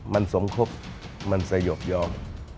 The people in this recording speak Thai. มันสมครบมันสยบยอม